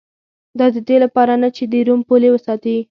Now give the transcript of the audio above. دا د دې لپاره نه چې د روم پولې وساتي